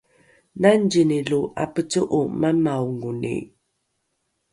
nangzini lo ’apece’o mamaongoni?